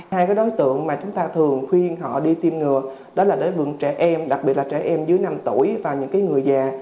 hai đối tượng mà chúng ta thường khuyên họ đi tiêm ngừa đó là để bừng trẻ em đặc biệt là trẻ em dưới năm tuổi và những người già